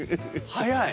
早い。